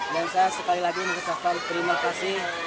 dan saya sekali lagi mengucapkan terima kasih